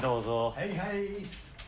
はいはい。